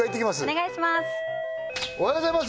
お願いします